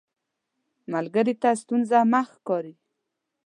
ملګری ته ستونزه مه ښکاري